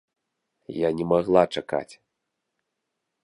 Я не магла чакаць.